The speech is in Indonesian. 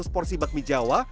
lima ratus porsi bakmi jawa